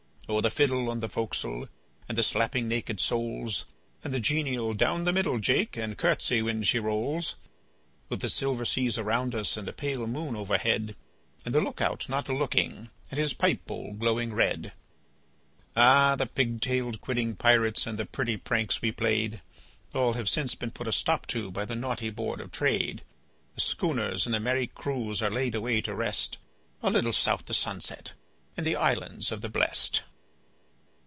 O! the fiddle on the fo'c's'le, and the slapping naked soles, And the genial ' Down the middle Jake, and curtsey when she rolls! ' A BALLAD OF JOHN SILVER 73 With the silver seas around us and the pale moon overhead, And .the look out not a looking and his pipe bowl glowing red. Ah! the pig tailed, quidding pirates and the pretty pranks we played, All have since been put a stop to by the naughty Board of Trade; The schooners and the merry crews are laid away to rest, A little south the sunset in the Islands of the Blest.